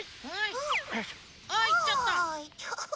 あっいっちゃった。